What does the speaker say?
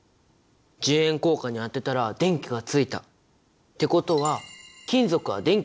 １０円硬貨に当てたら電気がついた！ってことは金属は電気を通すんだね！